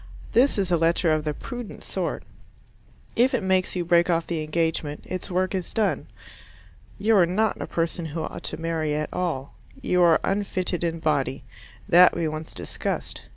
This is a letter of the prudent sort. If it makes you break off the engagement, its work is done. You are not a person who ought to marry at all. You are unfitted in body: that we once discussed.